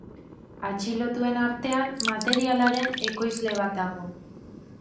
Atxilotuen artean, materialaren ekoizle bat dago.